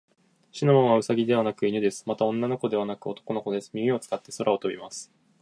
シナモンはウサギではなく犬です。また、女の子ではなく男の子です。耳を使って空を飛びます。